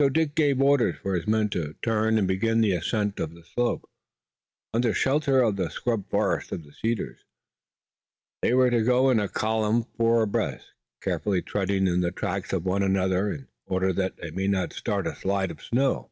So Dick gave orders for his men to turn and begin the ascent of the slope, under shelter of the scrub forest of cedars. They were to go in a column four abreast, carefully treading in the tracks of one another, in order that they might not start a slide of snow.